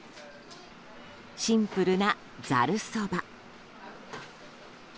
シンプルなざるそば。